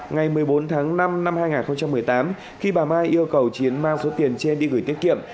ngày một mươi bốn tháng năm năm hai nghìn một mươi tám khi bà mai yêu cầu chiến mang số tiền trên đi gửi tiết kiệm